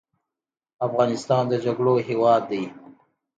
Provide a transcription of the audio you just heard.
افغانستان د جګړو هیواد دی